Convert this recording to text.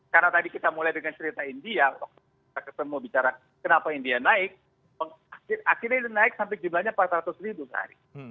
karena tadi kita mulai dengan cerita india kita semua bicara kenapa india naik akhirnya naik sampai jumlahnya empat ratus sehari